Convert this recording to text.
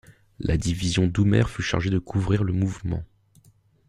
La division Doumerc fut chargée de couvrir le mouvement.